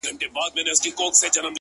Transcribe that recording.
د انسانانو جهالت له موجه؛ اوج ته تللی؛